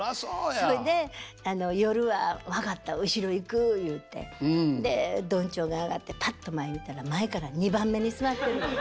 それで「夜は分かった後ろ行く」言うてでどんちょうが上がってパッと前見たら前から２番目に座ってるの。